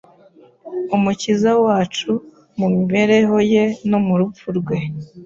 Umukiza wacu, mu mibereho ye no mu rupfu rwe,